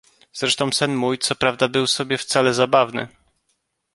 "Zresztą sen mój, co prawda, był sobie wcale zabawny!"